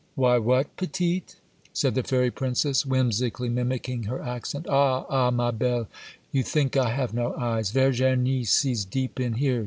'Why, what? petite!' said the fairy princess, whimsically mimicking her accent. 'Ah! ah! ma belle! you think I have no eyes;—Virginie sees deep in here!